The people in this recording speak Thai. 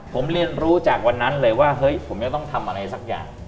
ผมเรียนรู้จากวันนั้นเลยว่าเฮ้ยผมจะต้องทำอะไรสักอย่าง